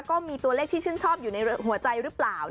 ก็มีตัวเลขที่ชื่นชอบอยู่ในหัวใจหรือเปล่า